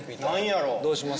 どうします？